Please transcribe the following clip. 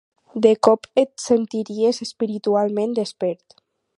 De cop et sentiries espiritualment despert.